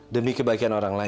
demi kebaikan orang lain